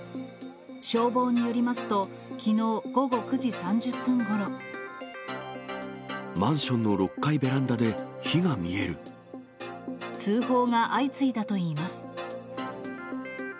消防によりますと、マンションの６階ベランダで通報が相次いだといいます。